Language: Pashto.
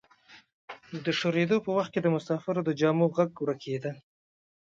د شورېدو په وخت کې د مسافرو د جامو غږ ورکیده.